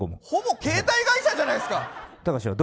ほぼ携帯会社じゃないですか！